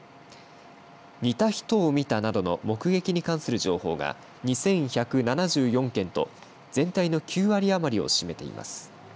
似た人を見たなどの目撃に関する情報が２１７４件と全体の９割余りを占めています。